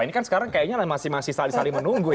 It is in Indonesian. ini kan sekarang masih saling menunggu ya